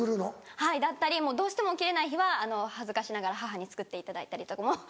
はいだったりどうしても起きれない日は恥ずかしながら母に作っていただいたりとかも。